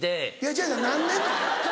違う違う何年？